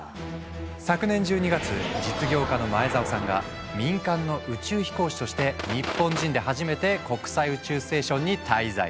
昨年１２月実業家の前澤さんが民間の宇宙飛行士として日本人で初めて国際宇宙ステーションに滞在。